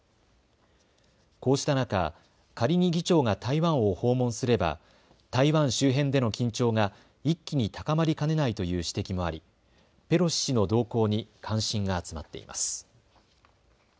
こうした中、仮に議長が台湾を訪問すれば台湾周辺での緊張が一気に高まりかねないという指摘もありペロシ氏の動向に関心が集まっています。